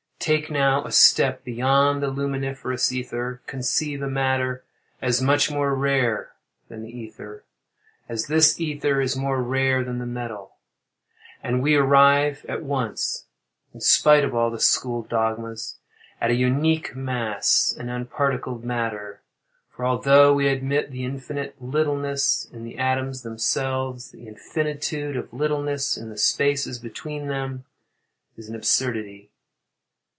Take, now, a step beyond the luminiferous ether—conceive a matter as much more rare than the ether, as this ether is more rare than the metal, and we arrive at once (in spite of all the school dogmas) at a unique mass—an unparticled matter. For although we may admit infinite littleness in the atoms themselves, the infinitude of littleness in the spaces between them is an absurdity.